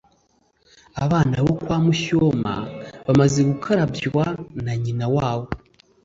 Abana bo kwa Mushyoma bamaze gukarabywa na nyina wabo